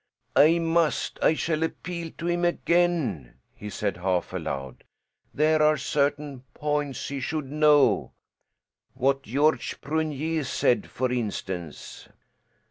"I must, I shall appeal to him again," he said half aloud. "There are certain points he should know. What Georges Prunier said, for instance."